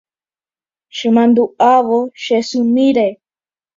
Chemandu'ávo che symíre